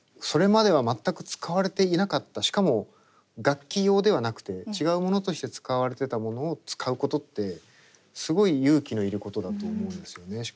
それまでは全く使われていなかったしかも楽器用ではなくて違うものとして使われてたものを使うことってすごい勇気のいることだと思うんですよね。